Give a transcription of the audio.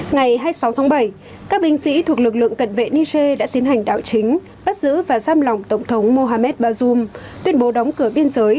ngày hai mươi sáu tháng bảy các binh sĩ thuộc lực lượng cận vệ niger đã tiến hành đảo chính bắt giữ và giam lỏng tổng thống mohamed bazoum tuyên bố đóng cửa biên giới